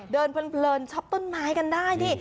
เดินไปเพลินชอบต้นไม้กันได้ดิ